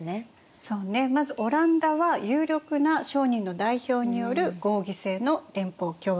まずオランダは有力な商人の代表による合議制の連邦共和国。